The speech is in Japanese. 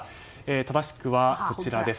正しくはこちらです。